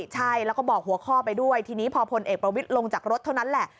ใช่แล้วก็บอกหัวข้อไปด้วยทีนี้พอพลเอกประวิทย์ลงจากรถเท่านั้นแหละ